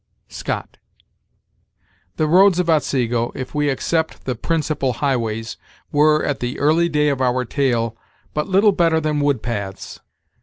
Scott. The roads of Otsego, if we except the principal high ways, were, at the early day of our tale, but little better than wood paths.